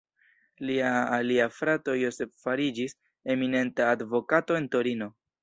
Lia alia frato Joseph fariĝis eminenta advokato en Torino.